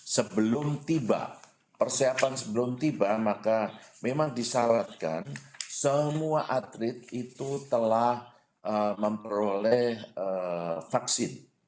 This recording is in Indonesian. sebelum tiba persiapan sebelum tiba maka memang disyaratkan semua atlet itu telah memperoleh vaksin